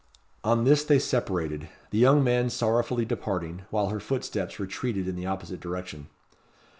On this they separated: the young man sorrowfully departing, while her footsteps retreated in the opposite direction.